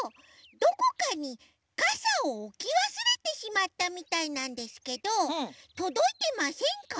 どこかにかさをおきわすれてしまったみたいなんですけどとどいてませんか？